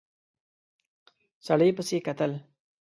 سړي پسې کتل.